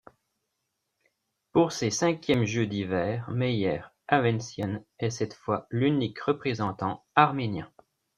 Pour ses cinquièmes Jeux d'hiver, Mher Avanesyan est cette fois l'unique représentant arménien.